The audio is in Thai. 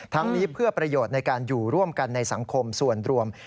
นี้เพื่อประโยชน์ในการอยู่ร่วมกันในสังคมส่วนรวม